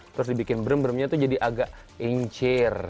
terus dibikin brem bremnya itu jadi agak incir